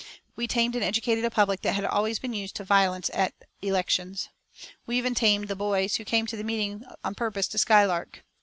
We tamed and educated a public that had always been used to violence at elections. We even tamed the boys, who came to the meetings on purpose to skylark.